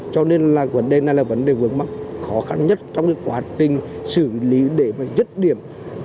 cho nên là vấn đề này là vấn đề vượt mắt khó khăn nhất trong quá trình xử lý để dứt điểm